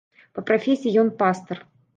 Па прафесіі ён пастар.